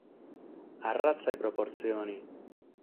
Arratza de proportzione.